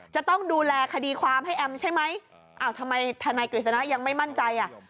จะต้องดูแลคดีความให้แอมใช่ไหมอ้าวทำไมทนายกฤษณะยังไม่มั่นใจอ่ะ